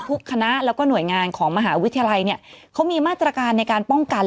คณะแล้วก็หน่วยงานของมหาวิทยาลัยเนี่ยเขามีมาตรการในการป้องกัน